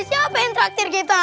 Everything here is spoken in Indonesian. siapa yang traktir kita